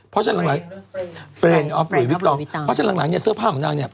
เพราะฉะนั้นหลังหลายเสื้อผ้าของนางเนี่ย